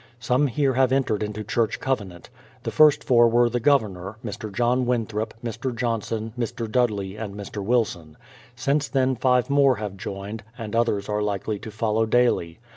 Some here have entered into church covenant. The first four were the Governor Mr. John Winthrop, Mr. Johnson, Mr. Dudley, and Mr. Wilson; since then five more have joined, and others are likely to follow daily.